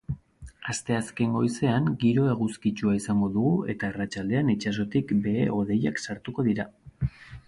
Asteazken goizean giro eguzkitsua izango dugu eta arratsaldean itsasotik behe-hodeiak sartuko dira.